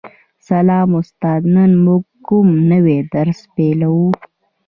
سلام استاده نن موږ کوم نوی درس پیلوو